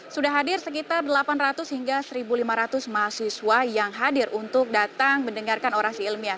sudah hadir sekitar delapan ratus hingga satu lima ratus mahasiswa yang hadir untuk datang mendengarkan orasi ilmiah